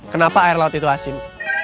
kenapa air laut itu asin